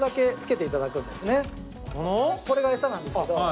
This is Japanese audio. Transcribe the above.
これが餌なんですけど。